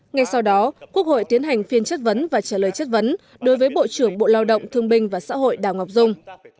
ngay sau đó quốc hội tiến hành phiên chất vấn và trả lời chất vấn đối với bộ trưởng bộ lao động thương binh và xã hội đào ngọc dung